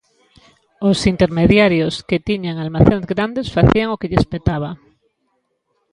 Os intermediarios que tiñan almacéns grandes facían o que lles petaba.